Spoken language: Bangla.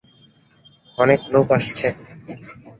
অনেক লোক আসছে।